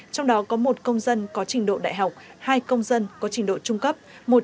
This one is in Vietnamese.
trong đó có một công dân có trình độ đại học hai công dân có trình độ trung cấp